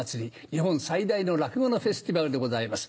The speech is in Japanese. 日本最大の落語のフェスティバルでございます。